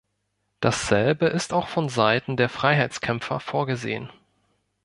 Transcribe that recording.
Dasselbe ist auch von seiten der Freiheitskämpfer vorgesehen.